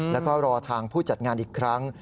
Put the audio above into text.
แล้วก็รอทางผู้จัดงานอีกครั้ง